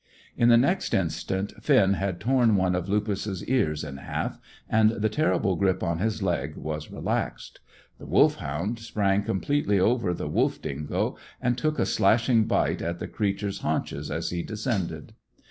In the next instant Finn had torn one of Lupus's ears in half, and the terrible grip on his leg was relaxed. The Wolfhound sprang completely over the wolf dingo, and took a slashing bite at the creature's haunches as he descended.